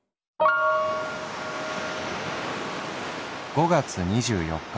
「５月２４日。